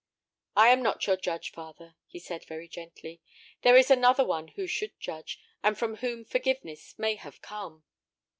"I am not your judge, father," he said, very gently; "there is another one who should judge, and from whom forgiveness may have come."